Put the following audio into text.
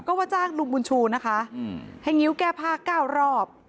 ก็ว่าจ้างลุงบุญชูนะคะให้งิ้วแก้ผ้า๙รอบ